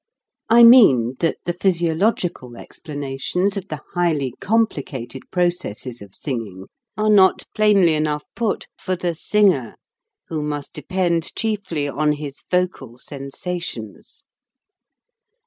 I mean that the physiological explanations of the highly complicated processes of singing are not plainly enough put for the singer, who must depend chiefly on his vocal sensations.